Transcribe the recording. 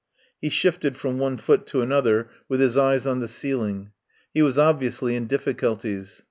He shifted from one foot to another with his eyes on the ceiling. He was obviously in difficulties.